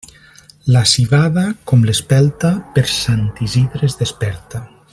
La civada, com l'espelta, per Sant Isidre es desperta.